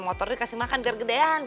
motornya kasih makan biar gedean